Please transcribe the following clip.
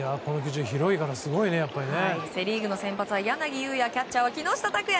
セ・リーグの先発は柳裕也キャッチャーは木下拓哉。